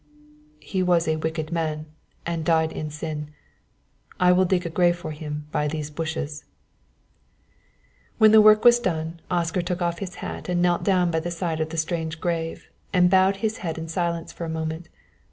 "He was a wicked man, and died in sin. I will dig a grave for him by these bushes." When the work was quite done, Oscar took off his hat and knelt down by the side of the strange grave and bowed his head in silence for a moment.